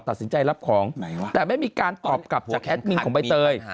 ตัดสินใจรับของแต่ไม่มีการตอบกลับจากแอดมินของใบเตย